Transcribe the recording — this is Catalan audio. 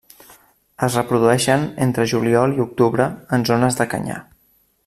Es reprodueixen entre juliol i octubre, en zones de canyar.